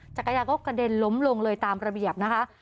จักรยานก็กระเด็นล้มลงเลยตามระเบียบนะคะ